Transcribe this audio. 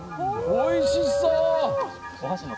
おいしそう！